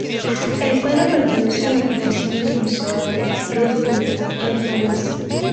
El cuadro pertenece a la colección del Museo del Louvre en París.